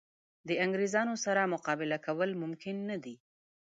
د انګرېزانو سره مقابله کول ممکن نه دي.